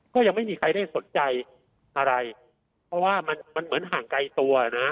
ก็ยังไม่มีใครได้สนใจอะไรเพราะว่ามันมันเหมือนห่างไกลตัวนะ